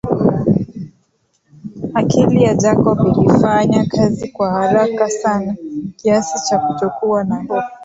Akili ya Jacob ilifanya kazi kwa haraka sana kiasi cha kutokuwa na hofu